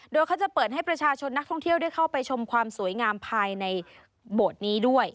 โดยเขาจะเปิดให้ประชาชนนักท่องเที่ยวได้เข้าไปชมความสวยงามภายในโบสถ์นี้ด้วย